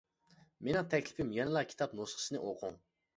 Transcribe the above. مېنىڭ تەكلىپىم يەنىلا كىتاب نۇسخىسىنى ئوقۇڭ.